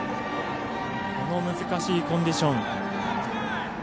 この難しいコンディション。